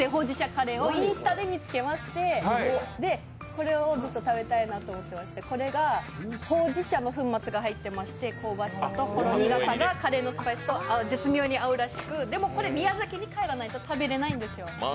カレーをインスタで見つけましてこれをずっと食べたいなと思っていましてこれがほうじ茶の粉末が入ってましてほうじ茶の香ばしさとほろ苦さがカレーのスパイスと絶妙に合うらしくでも、これ宮崎に帰らないと食べれないんですよ。